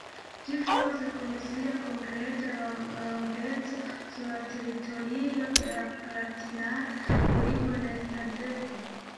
Ĝi fluas kun sia kompleta longeco sur la teritorio de la palatinata urbo Neustadt.